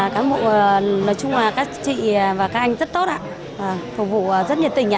các mụn nói chung là các chị và các anh rất tốt ạ phục vụ rất nhiệt tình ạ